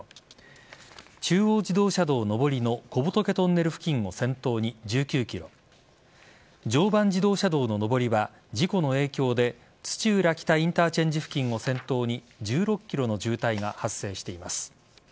中央自動車道上りの小仏トンネル付近を先頭に１９ｋｍ常磐自動車道の上りは事故の影響で土浦北インターチェンジ付近を先頭に１６ｋｍの渋滞が発生しています。